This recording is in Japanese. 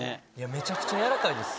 めちゃくちゃ軟らかいです。